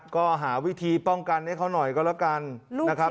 ก็หาวิธีป้องกันให้เขาหน่อยก็แล้วกันนะครับ